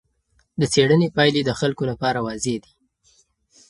د څېړنې پایلې د خلکو لپاره واضح دي.